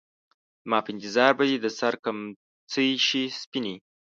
زما په انتظار به دې د سـر کمڅـۍ شي سپينې